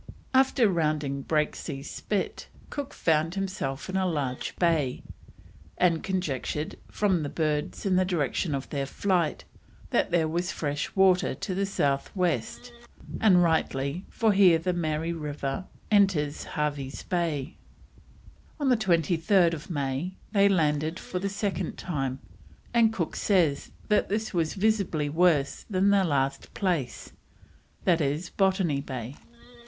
After rounding Breaksea Spit, Cook found himself in a large bay, and conjectured, from the birds and the direction of their flight, that there was fresh water to the south west; and rightly, for here the Mary River enters Hervey's Bay. On 23rd May they landed for the second time, and Cook says this was "visibly worse than the last place," that is Botany Bay.